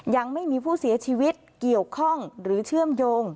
ยังไม่มีผู้เสียชีวิตเกี่ยวข้องหรือเชื่อมโยง